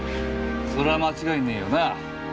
そりゃ間違いねえよなあ。